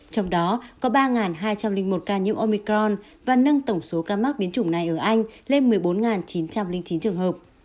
trong đó có ba hai trăm linh một ca nhiễm omicron và nâng tổng số ca mắc biến chủng này ở anh lên một mươi bốn chín trăm linh chín trường hợp